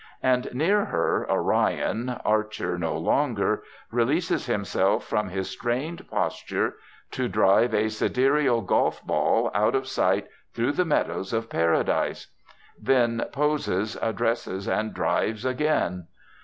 And near her, Orion, archer no longer, releases himself from his strained posture to drive a sidereal golf ball out of sight through the meadows of Paradise; then poses, addresses, and drives again.